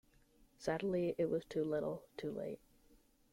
Sadly it was too little, too late.